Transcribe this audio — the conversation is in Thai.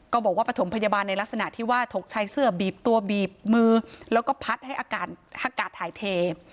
บอกว่าปฐมพยาบาลในลักษณะที่ว่าถกใช้เสื้อบีบตัวบีบมือแล้วก็พัดให้อากาศถ่ายเท